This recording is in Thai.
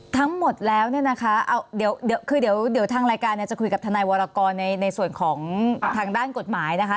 ทั้งหมดแล้วเนี่ยนะคะเอาเดี๋ยวคือเดี๋ยวทางรายการเนี่ยจะคุยกับทนายวรกรในส่วนของทางด้านกฎหมายนะคะ